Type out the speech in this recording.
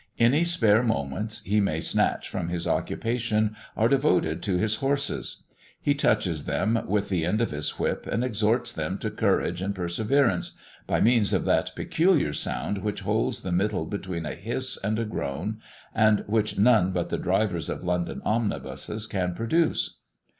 Any spare moments he may snatch from this occupation are devoted to his horses. He touches them up with the end of his whip, and exhorts them to courage and perseverance by means of that peculiar sound which holds the middle between a hiss and a groan, and which none but the drivers of London omnibuses can produce.